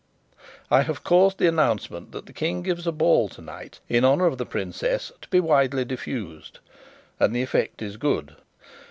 I have caused the announcement that the King gives a ball tonight in honour of the princess to be widely diffused, and the effect is good."